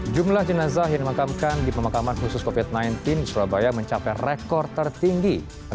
jumlah jenazah yang dimakamkan di pemakaman khusus covid sembilan belas di surabaya mencapai rekor tertinggi